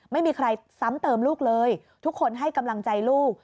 ไม่มีใครซ้ำเติมลูกเลยทุกคนให้กำลังใจลูก